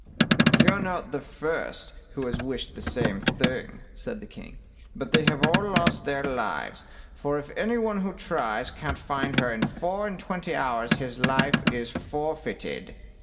"You're not the first who has wished the same thing", said the king, "but they have all lost their lives; for if any one who tries can't find her in four and twenty hours his life is forfeited."